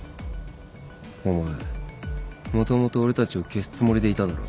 お前もともと俺たちを消すつもりでいただろ。